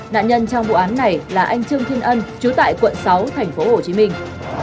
nạn nhân trong vụ án này là anh trương thiên ân chú tại quận sáu thành phố hồ chí minh